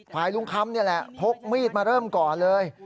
ลุงคำนี่แหละพกมีดมาเริ่มก่อนเลย